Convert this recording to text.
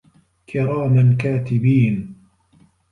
كِرامًا كاتِبينَ